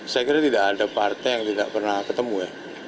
saya kira tidak ada partai yang tidak pernah ketemu ya